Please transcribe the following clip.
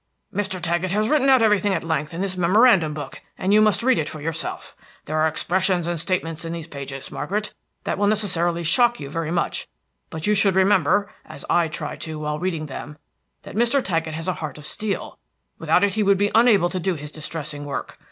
"Mr. Taggett has written out everything at length in this memorandum book, and you must read it for yourself. There are expressions and statements in these pages, Margaret, that will necessarily shock you very much; but you should remember, as I tried to while reading them, that Mr. Taggett has a heart of steel; without it he would be unable to do his distressing work.